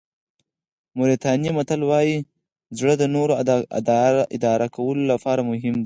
موریتاني متل وایي زړه د نورو اداره کولو لپاره مهم دی.